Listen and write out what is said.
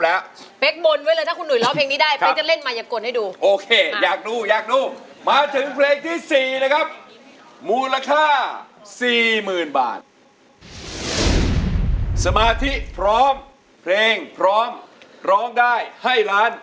ซึ่งเป็นเพลงที่๔ของเขาดูสิว่าเขาจะทำสำเร็จหรือไม่นะครับ